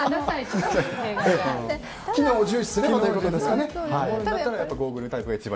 機能を重視するということですね。